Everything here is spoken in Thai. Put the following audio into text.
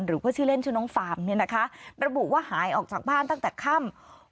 หรือว่าชื่อเล่นชื่อน้องฟาร์มเนี่ยนะคะระบุว่าหายออกจากบ้านตั้งแต่ค่ำ